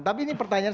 tapi ini pertanyaan